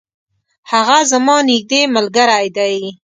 هغه زما نیږدي ملګری دی.